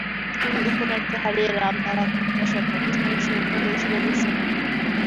দুই ওপেনারকে হারিয়ে রান তাড়া করতে আসা পাকিস্তানের শুরুটা হয়েছিল দুঃস্বপ্নের মতো।